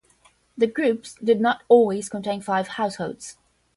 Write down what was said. The groups did not always contain five households.